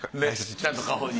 ちゃんと家宝に。